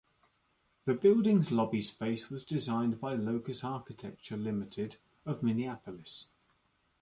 The building's lobby space was designed by Locus Architecture, Limited, of Minneapolis.